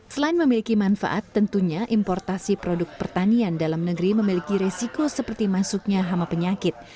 selain memiliki manfaat tentunya importasi produk pertanian dalam negeri memiliki resiko seperti masuknya hama penyakit